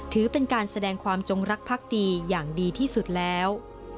ถือเป็นการแสดงความจงรักพักดีอย่างดีที่สุดแล้ว